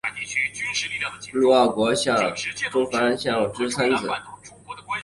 陆奥国相马中村藩主相马充胤之三子。